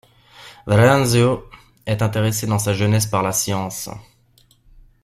Veranzio est intéressé dans sa jeunesse par la science.